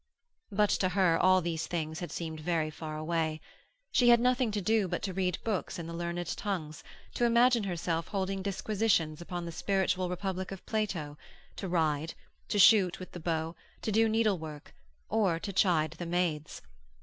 But to her all these things had seemed very far away. She had nothing to do but to read books in the learned tongues, to imagine herself holding disquisitions upon the spiritual republic of Plato, to ride, to shoot with the bow, to do needlework, or to chide the maids.